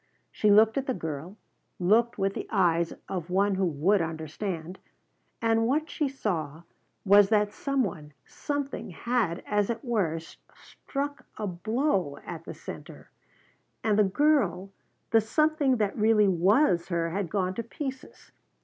She looked at the girl; looked with the eyes of one who would understand. And what she saw was that some one, something, had, as it were, struck a blow at the center, and the girl, the something that really was her, had gone to pieces.